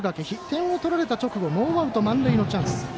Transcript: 点を取られた直後ノーアウト満塁のチャンス。